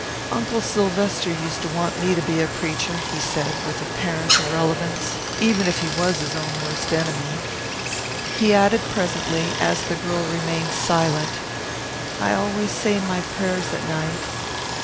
"Uncle Sylvester used to want me to be a preacher," he said, with apparent irrelevance, "even if he was his own worst enemy." He added presently, as the girl remained silent, "I always say my prayers at night."